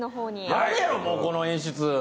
何や、この演出！